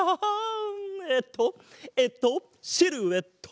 えっとえっとシルエット！